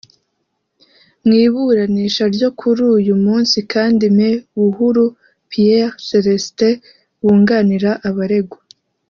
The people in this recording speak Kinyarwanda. Mu iburanisha ryo kuri uyu munsi kandi Me Buhuru Pierre Celestin wunganira abaregwa